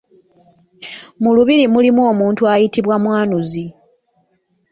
Mu lubiri mulimu omuntu ayitibwa Mwanuzi.